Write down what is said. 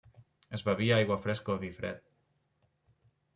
Es bevia aigua fresca o vi fred.